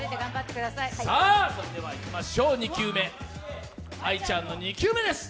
それではいきましょう、愛ちゃんの２球目です。